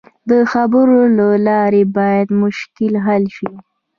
د خبرو له لارې باید مشکل حل شي.